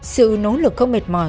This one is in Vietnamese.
sự nỗ lực không mệt mỏi